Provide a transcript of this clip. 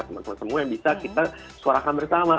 teman teman semua yang bisa kita suarakan bersama